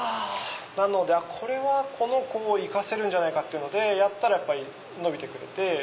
なのでこれはこの子を生かせるんじゃないか？ってやったら伸びてくれて。